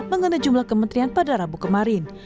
mengenai jumlah kementerian pada rabu kemarin